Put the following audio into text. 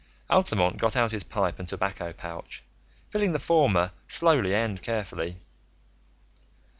Altamont got out his pipe and tobacco pouch, filling the former slowly and carefully.